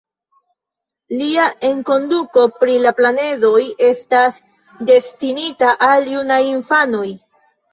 Lia enkonduko pri la planedoj estas destinita al junaj infanoj.